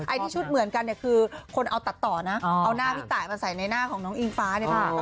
ที่ชุดเหมือนกันเนี่ยคือคนเอาตัดต่อนะเอาหน้าพี่ตายมาใส่ในหน้าของน้องอิงฟ้าเนี่ย